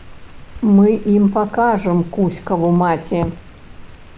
Мы ім пакажам кузькаву маці!